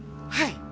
はい。